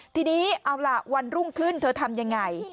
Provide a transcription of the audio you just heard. ทีนี้วันรุ่งขึ้นเธอทำอย่างไร